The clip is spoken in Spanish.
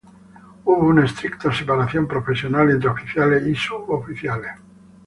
Hubo una estricta separación profesional entre oficiales y suboficiales.